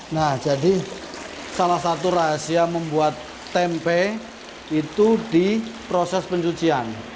nah jadi salah satu rahasia membuat tempe itu di proses pencucian